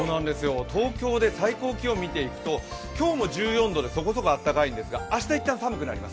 東京で最高気温、見ていくと今日も１４度でそこそこ暖かいんですが、明日いったん、寒くなります。